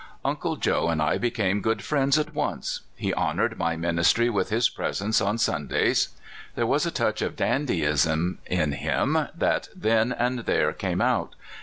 Uncle Joe and I became good friends at once. He honored my ministry with his presence on Sun days. There was a touch of dandyism in him that then and there came out.